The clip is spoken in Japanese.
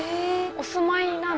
お住まいなの？